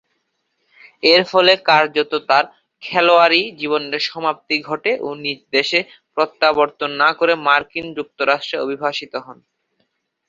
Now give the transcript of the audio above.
এরফলে কার্যতঃ তার খেলোয়াড়ী জীবনের সমাপ্তি ঘটে ও নিজ দেশে প্রত্যাবর্তন না করে মার্কিন যুক্তরাষ্ট্রে অভিবাসিত হন।